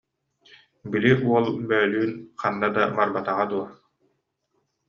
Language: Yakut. Били уол бөлүүн ханна да барбатаҕа дуо